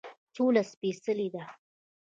سوله سپیڅلې ده